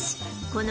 この